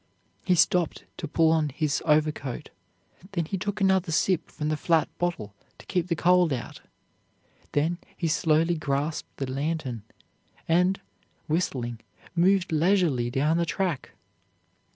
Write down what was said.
He stopped to put on his overcoat. Then he took another sip from the flat bottle to keep the cold out. Then he slowly grasped the lantern and, whistling, moved leisurely down the track.